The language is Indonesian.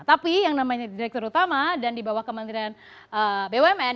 tapi yang namanya direktur utama dan di bawah kementerian bumn